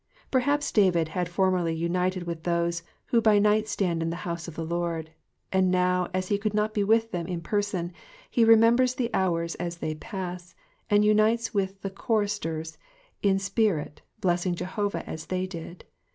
Perhaps David had formerly united with those who by night stand in the house of the Lord," and now as he could not be with them in person, he remembers the hours as they pass, and unites with the choristers in spirit, blessing Jehovah as they did.